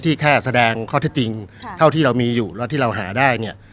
แค่แสดงข้อเท็จจริงเท่าที่เรามีอยู่แล้วที่เราหาได้เนี่ย